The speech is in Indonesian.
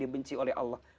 dibenci oleh allah